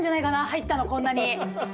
入ったのこんなに！